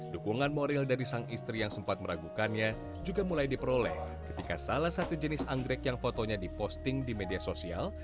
dukungan moral dari sang istri yang sempat meragukannya juga mulai diperoleh ketika salah satu jenis anggrek yang fotonya diposting di media sosial